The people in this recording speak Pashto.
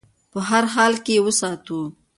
په هر حال کې یې وساتو.